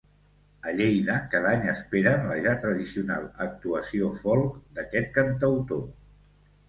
A Lleida cada any esperen la ja tradicional actuació folk d'aquest cantautor.